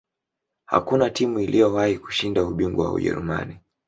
hakuna timu iliyowahi kushinda ubingwa wa ujerumani